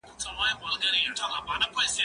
زه هره ورځ موسيقي اورم!.